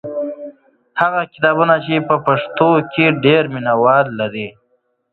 هغه کتابونه چې په پښتو دي ډېر مینه وال لري.